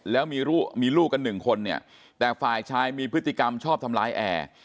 แล้วมีลูกกันหนึ่งคนเนี่ยแต่ฝ่ายชายมีพฤติกรรมชอบทำร้ายแอร์